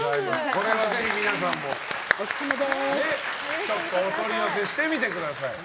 これはぜひ、皆さんもちょっとお取り寄せしてみてください。